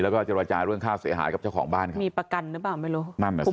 แล้วก็เจรจาเรื่องค่าเสียหายกับเจ้าของบ้านเขามีประกันหรือเปล่าไม่รู้นั่นน่ะสิ